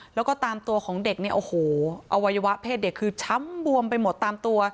แล้วก็ตามตัวของเด็กเนี่ยโอ้โหอวัยวะเพศเด็กคือช้ำบวมไปหมดตามตัว